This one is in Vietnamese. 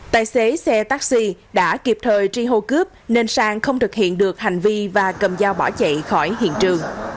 tài xế xe taxi đã kịp thời tri hô cướp nên sang không thực hiện được hành vi và cầm dao bỏ chạy khỏi hiện trường